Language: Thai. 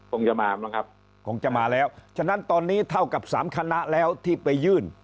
คงจะมามั้งครับคงจะมาแล้วฉะนั้นตอนนี้เท่ากับสามคณะแล้วที่ไปยื่น